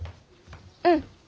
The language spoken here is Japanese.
うん。